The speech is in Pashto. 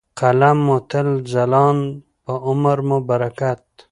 ، قلم مو تل ځلاند په عمر مو برکت .